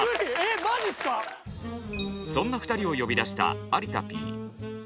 そんな２人を呼び出した有田Ｐ。